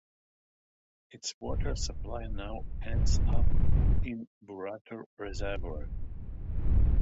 Its water supply now ends up in Burrator Reservoir.